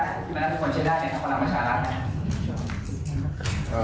ที่มานั่งเป็นคนใช้ได้ในกระทรวงรัฐมัญชาลักษณ์นะ